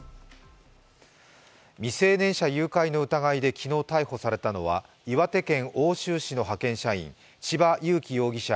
未成年者誘拐の疑いで昨日逮捕されたのは岩手県奥州市の派遣社員、千葉裕生容疑者